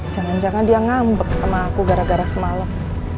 jangan jangan dia ngambek sama aku gara gara semalam